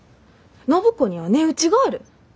暢子には値打ちがある！